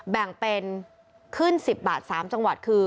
แบ่งเป็นขึ้น๑๐บาท๓จังหวัดคือ